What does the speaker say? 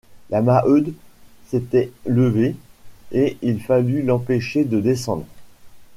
La Maheude s’était levée ; et il fallut l’empêcher de descendre.